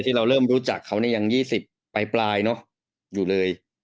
ที่เราเริ่มรู้จักเขายัง๒๐ปลายเนอะอยู่เลย